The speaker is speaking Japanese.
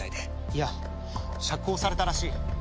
いや釈放されたらしい。